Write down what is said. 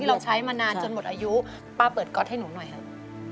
เราใช้มานานจนหมดอายุป้าเปิดก๊อตให้หนูหน่อยครับ